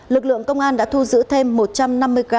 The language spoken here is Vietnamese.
lực lượng công an đã thu giữ thêm một trăm năm mươi g